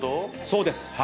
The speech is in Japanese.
そうです。